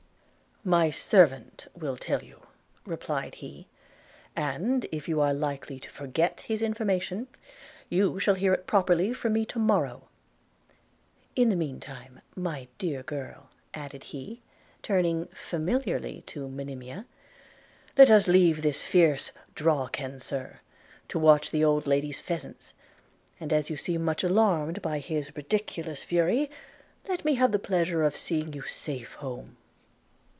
'My servant will tell you,' replied he; 'and, if you are likely to forget his information, you shall hear it properly from me to morrow. In the mean time, my dear girl,' added he, turning familiarly to Monimia, 'let us leave this fierce drawcansir to watch the old lady's pheasants; and as you seem much alarmed by his ridiculous fury, let me have the pleasure of seeing you safe home.'